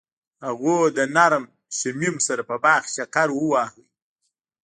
هغوی د نرم شمیم سره په باغ کې چکر وواهه.